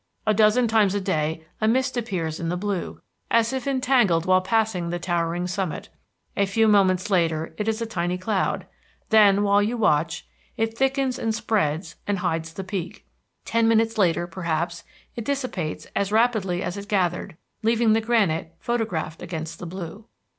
A dozen times a day a mist appears in the blue, as if entangled while passing the towering summit. A few moments later it is a tiny cloud; then, while you watch, it thickens and spreads and hides the peak. Ten minutes later, perhaps, it dissipates as rapidly as it gathered, leaving the granite photographed against the blue.